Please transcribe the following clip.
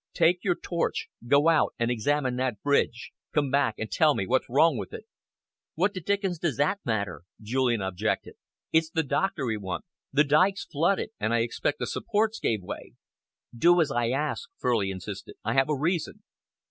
Take your torch go out and examine that bridge. Come back and tell me what's wrong with it." "What the dickens does that matter?" Julian objected. "It's the doctor we want. The dyke's flooded, and I expect the supports gave way." "Do as I ask," Furley insisted. "I have a reason."